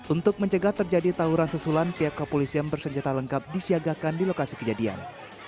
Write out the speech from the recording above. untuk mencegah terjadi tawuran susulan pihak kepolisian bersenjata lengkap disiagakan di lokasi kejadian